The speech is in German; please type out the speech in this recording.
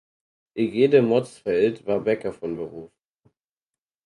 Egede Motzfeldt war Bäcker von Beruf.